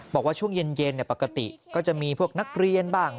บอกว่าช่วงเย็นปกติก็จะมีพวกนักเรียนบ้าง